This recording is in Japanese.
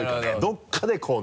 どこかでこうね。